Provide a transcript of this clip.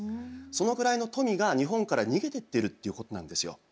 そのくらいの富が日本から逃げてっているっていうことなんですよ。